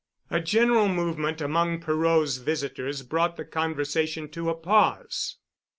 A general movement among Perot's visitors brought the conversation to a pause.